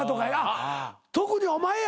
特にお前や。